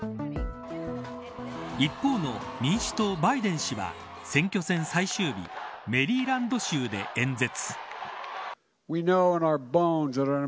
一方の民主党バイデン氏は選挙戦最終日メリーランド州で演説。